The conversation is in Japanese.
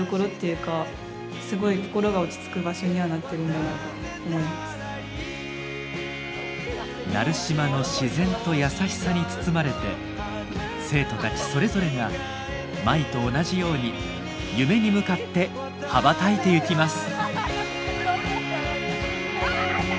そう思うってことは奈留島の自然とやさしさに包まれて生徒たちそれぞれが舞と同じように夢に向かって羽ばたいてゆきます。